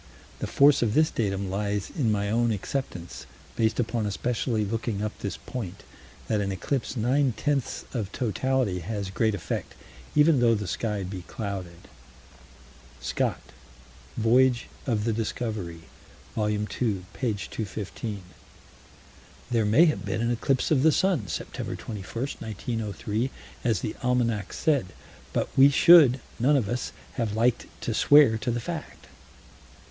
The force of this datum lies in my own acceptance, based upon especially looking up this point, that an eclipse nine tenths of totality has great effect, even though the sky be clouded. Scott (Voyage of the Discovery, vol. ii, p. 215): "There may have been an eclipse of the sun, Sept. 21, 1903, as the almanac said, but we should, none of us, have liked to swear to the fact."